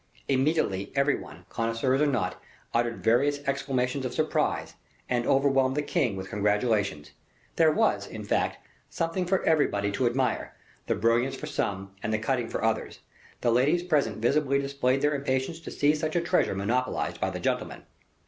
Immediately, every one, connoisseurs or not, uttered various exclamations of surprise, and overwhelmed the king with congratulations. There was, in fact, something for everybody to admire the brilliance for some, and the cutting for others. The ladies present visibly displayed their impatience to see such a treasure monopolized by the gentlemen.